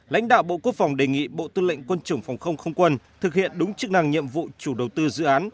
lãnh đạo bộ quốc phòng đề nghị bộ tư lệnh quân chủng phòng không không quân thực hiện đúng chức năng nhiệm vụ chủ đầu tư dự án